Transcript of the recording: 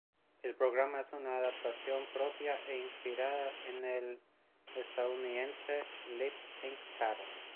El programa es una adaptación propia e inspirada en el estadounidense "Lip Sync Battle".